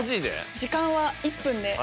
時間は１分で。